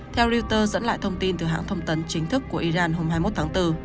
theo reuters dẫn lại thông tin từ hãng thông tấn chính thức của iran hôm hai mươi một tháng bốn